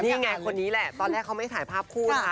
นี่ไงคนนี้แหละตอนแรกเขาไม่ถ่ายภาพคู่นะคะ